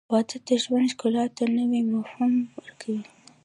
• واده د ژوند ښکلا ته نوی مفهوم ورکوي.